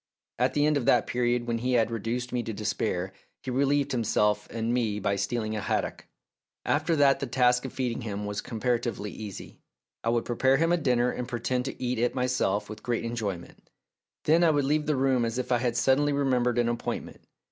At the end of that period, when he had reduced me to despair, he relieved himself and me by stealing a haddock. After that the task of feeding him was comparatively easy. I would prepare him a dinner and pretend to eat it myself with great enjoyment ; then I would leave the room as if I had suddenly remembered an appointment.